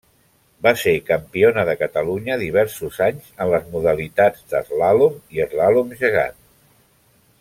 Va ser campiona de Catalunya diversos anys en les modalitats d’eslàlom i eslàlom gegant.